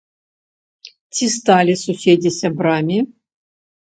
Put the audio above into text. Ці сталі суседзі сябрамі?